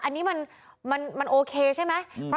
อันนี้มันโอเคใช่ไหม